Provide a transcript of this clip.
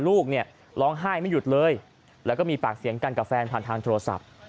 ลูกเนี่ยร้องไห้ไม่หยุดเลยแล้วก็มีปากเสียงกันกับแฟนผ่านทางโทรศัพท์